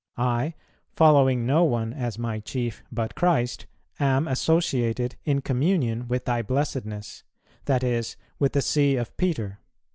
I, following no one as my chief but Christ, am associated in communion with thy blessedness, that is, with the See of Peter.